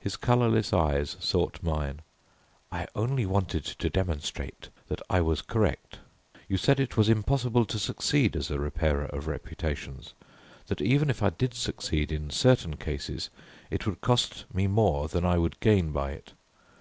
His colourless eyes sought mine, "I only wanted to demonstrate that I was correct. You said it was impossible to succeed as a Repairer of Reputations; that even if I did succeed in certain cases it would cost me more than I would gain by it.